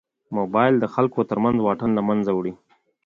موبایل د خلکو تر منځ واټن له منځه وړي.